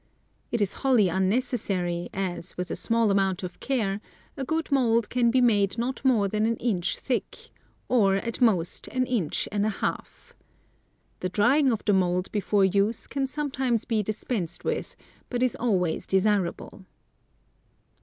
It is wholly unnecessary, as, with a small amount of care, a good mould can be made not more than an inch thick, or, at most, an inch and a half. The drying of the mould before use can sometimes be dispensed with, but is always desirable.